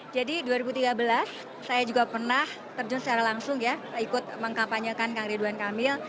jadi dua ribu tiga belas saya juga pernah terjun secara langsung ya ikut mengkampanyekan kang ridwan kamil